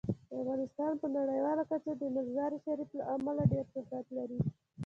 افغانستان په نړیواله کچه د مزارشریف له امله ډیر شهرت لري.